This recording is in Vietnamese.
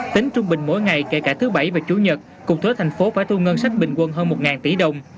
tính trung bình mỗi ngày kể cả thứ bảy và chủ nhật cục thuế thành phố phải thu ngân sách bình quân hơn một tỷ đồng